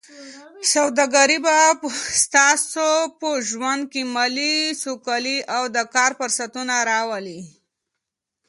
سوداګري به ستاسو په ژوند کې مالي سوکالي او د کار فرصتونه راولي.